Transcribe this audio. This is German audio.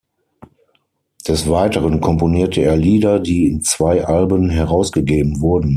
Des Weiteren komponierte er Lieder, die in zwei Alben herausgegeben wurden.